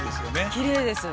きれいです。